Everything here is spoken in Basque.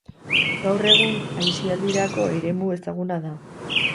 Gaur egun aisialdirako eremu ezaguna da.